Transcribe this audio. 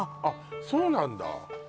あっそうなんだ